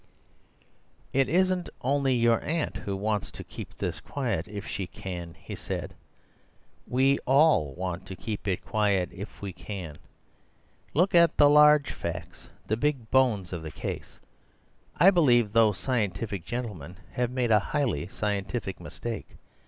"It isn't only your aunt who wants to keep this quiet if she can," he said; "we all want to keep it quiet if we can. Look at the large facts—the big bones of the case. I believe those scientific gentlemen have made a highly scientific mistake.